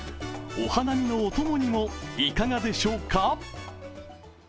お花見のおともにもいかがでしょうか。